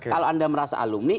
kalau anda merasa alumni